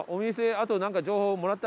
あとなんか情報もらった？